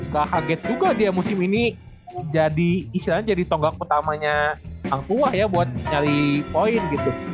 kaget juga dia musim ini jadi istilahnya jadi tonggak utamanya angkuah ya buat nyari poin gitu